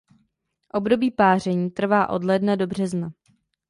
Období páření trvá od ledna do března.